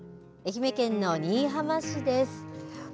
愛媛県の新居浜市です。